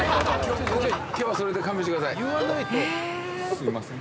すいません。